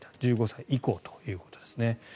１５歳以降ということですね。